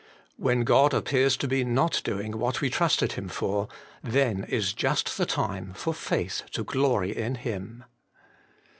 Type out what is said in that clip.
When God appears to be not doing what we trusted Him for, then is just the time for faith to glory in Him.